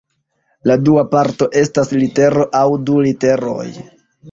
La dua parto estas litero aŭ du literoj.